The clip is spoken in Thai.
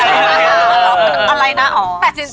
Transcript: ตัดสินใจแต่งงานไปเลย